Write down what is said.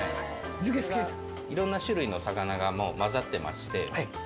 色んな種類の魚がもう混ざってまして。